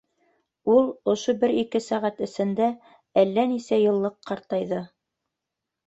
Ул ошо бер-ике сәғәт эсендә әллә нисә йыллыҡ ҡартайҙы.